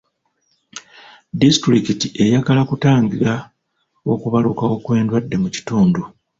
Disitulikiti eyagala kutangira okubalukawo kw'endwadde mu kitundu.